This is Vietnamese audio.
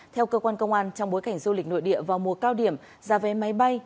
theo cơ quan công an trong bối cảnh du lịch nội địa vào mùa cao điểm giá vé máy bay